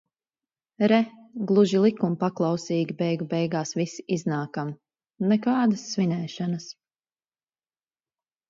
Re, gluži likumpaklausīgi beigu beigās visi iznākam. Nekādas svinēšanas.